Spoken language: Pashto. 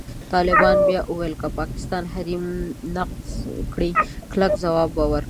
طالبان بیا وویل، که پاکستان حریم نقض کړي، کلک ځواب به ورکړي.